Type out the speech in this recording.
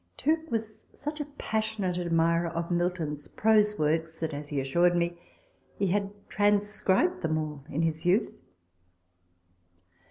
Tooke was such a passionate admirer of Milton's prose works that, as he assured me, he had tran scribed them all in his youth.